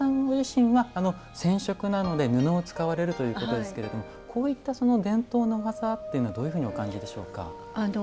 ご自身は染色なので布を使われるということですけれどもこういった伝統の技というのはどういうふうにお感じでしょうか。